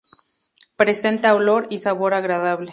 Presenta olor y sabor agradable.